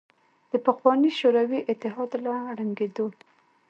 د پخواني شوروي اتحاد له ړنګېدو